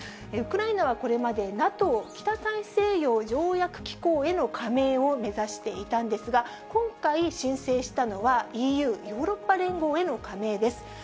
ウクライナはこれまで、ＮＡＴＯ・北大西洋条約機構への加盟を目指していたんですが、今回、申請したのは、ＥＵ・ヨーロッパ連合への加盟です。